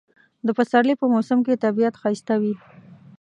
د پسرلی په موسم کې طبیعت ښایسته وي